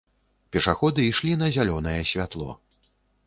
Пешаходы ішлі на зялёнае святло.